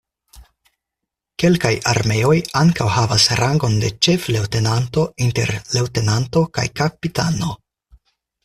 Kelkaj armeoj ankaŭ havas rangon de ĉef-leŭtenanto inter leŭtenanto kaj kapitano.